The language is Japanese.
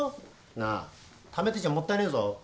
なあためてちゃもったいねぇぞ。